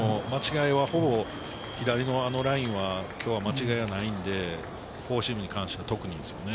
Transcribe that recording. このコースも違いはほぼ左のラインはきょう間違いはないので、フォーシームに関しては特にですね。